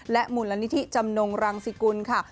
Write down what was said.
และหมู่ละนิทิจำนงรังสิกุลค่ะ